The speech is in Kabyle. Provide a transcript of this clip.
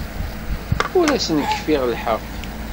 Ur asen-kfiɣ lḥeqq.